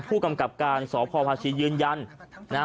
ผู้กำกับการสพพาชียืนยันนะฮะ